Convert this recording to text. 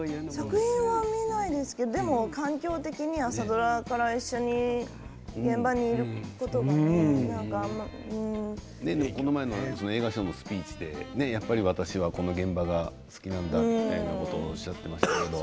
作品は見ないですけれども環境的には朝ドラからこの前の映画賞のスピーチで私はやっぱりこの現場が好きなんだみたいなことをおっしゃっていましたけれども。